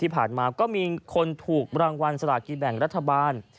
ที่ผ่านมาก็มีคนถูกรางวัลสลากินแบ่งรัฐบาล